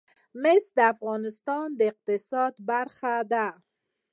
مس د افغانستان د اقتصاد برخه ده.